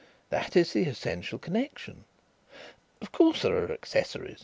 That is the essential connexion. Of course, there are accessories.